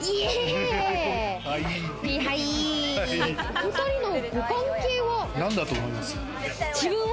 お２人のご関係は？